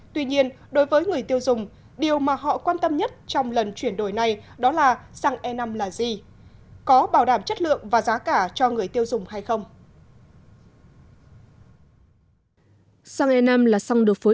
tuy nhiên đối với người tiêu dùng điều mà họ quan tâm nhất trong lần chuyển đổi này đó là xăng e năm là gì